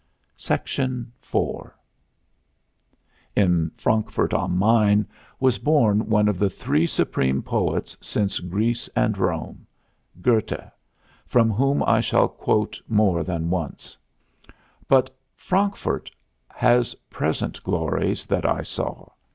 IV In Frankfurt am Main was born one of the three supreme poets since Greece and Rome Goethe from whom I shall quote more than once; but Frankfurt has present glories that I saw.